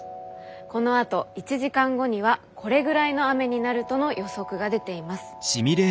このあと１時間後にはこれぐらいの雨になるとの予測が出ています。